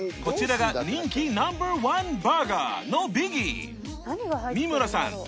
こちらが人気ナンバーワンバーガーのビギー三村さん